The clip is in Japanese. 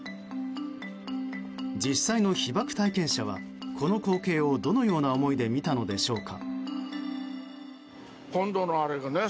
実際の被爆体験者はこの光景をどのような思いで見たのでしょうか。